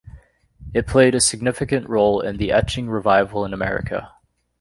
It played a significant role in the Etching Revival in America.